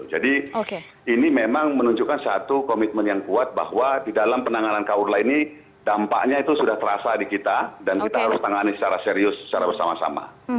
jadi ini memang menunjukkan satu komitmen yang kuat bahwa di dalam penanganan kaurla ini dampaknya itu sudah terasa di kita dan kita harus tangani secara serius secara bersama sama